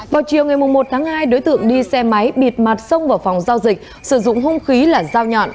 vào chiều ngày một tháng hai đối tượng đi xe máy bịt mặt sông vào phòng giao dịch sử dụng hung khí là dao nhọn